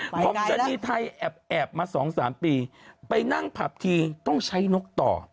พบชะนีไทยแอบมาสองสามปีไปนั่งผับทีต้องใช้นกต่อ